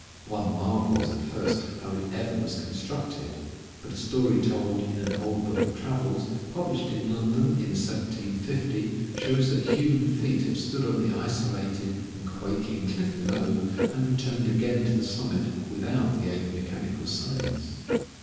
One marvels at first how it ever was constructed; but a story told in an old book of travels, published in London in 1750, shows that human feet have stood on the isolated and quaking cliff below, and returned again to the summit without the aid of mechanical science.